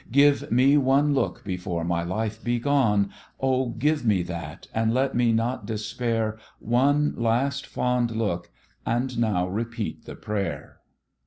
Give me one look before my life be gone, Oh! give me that, and let me not despair, One last fond look and now repeat the prayer."